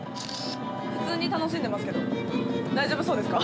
普通に楽しんでますけど大丈夫そうですか？